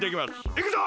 いくぞ！